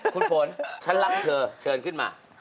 คุณฝนฉันรักเธอเชิญขึ้นมา